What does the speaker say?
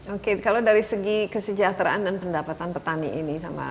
oke kalau dari segi kesejahteraan dan pendapatan petani ini